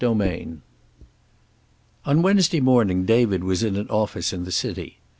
VI On Wednesday morning David was in an office in the city.